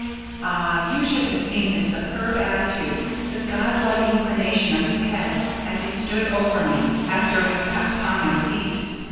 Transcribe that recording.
Ah, you should have seen his superb attitude, the godlike inclination of his head as he stood over me after I had got upon my feet!